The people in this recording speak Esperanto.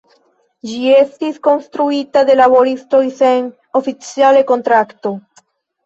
Ĝi estis konstruita de laboristoj sen oficiale kontrakto.